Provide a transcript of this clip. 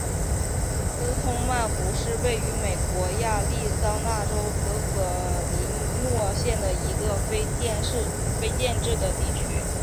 斯通曼湖是位于美国亚利桑那州可可尼诺县的一个非建制地区。